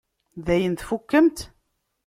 Dayen tfukkemt?